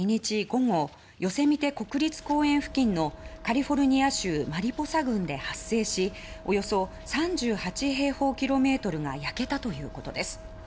午後ヨセミテ国立公園付近のカリフォルニア州マリポサ郡で発生しおよそ３８平方キロメートルが焼けたということです。